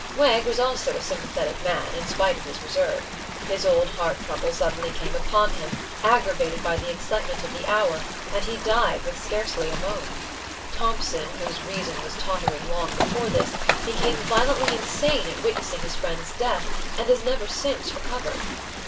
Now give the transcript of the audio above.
Wegg was also a sympathetic man, in spite of his reserve. His old heart trouble suddenly came upon him, aggravated by the excitement of the hour, and he died with scarcely a moan. Thompson, whose reason was tottering long before this, became violently insane at witnessing his friend's death, and has never since recovered.